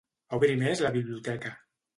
Obri més la biblioteca.